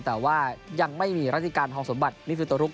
แต่ว่ายังไม่มีรัติการทองสมบัติมิฟิตโตรุก